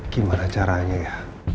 gimana caranya ya